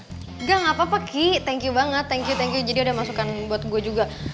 enggak gak apa apa ki thank you banget thank you thank you jadi udah masukkan buat gue juga